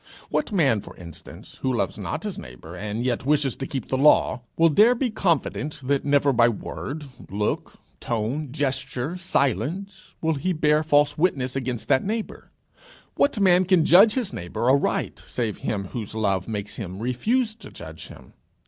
What man, for instance, who loves not his neighbour and yet wishes to keep the law, will dare be confident that never by word, look, tone, gesture, silence, will he bear false witness against that neighbour? What man can judge his neighbour aright save him whose love makes him refuse to judge him?